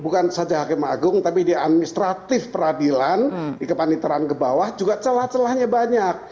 bukan saja hakim agung tapi di administratif peradilan di kepaniteraan ke bawah juga celah celahnya banyak